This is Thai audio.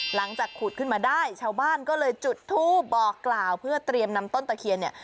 หลังจากขุดขึ้นมาได้ชาวบ้านก็เลยจุดทูปบอกกล่าวเพื่อเตรียมนำต้นตะเคียนเนี่ย